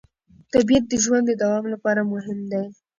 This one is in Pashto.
طبیعت د ژوند د دوام لپاره مهم دی